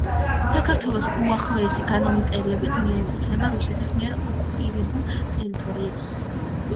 საქართველოს უახლესი კანონმდებლობით მიეკუთვნება „რუსეთის მიერ ოკუპირებულ ტერიტორიებს“.